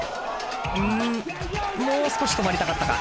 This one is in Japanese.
うんもう少し止まりたかったか。